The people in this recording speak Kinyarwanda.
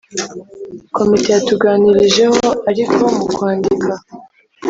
Komite yatuganirijeho ariko mu kwandika,